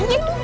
ini juga uang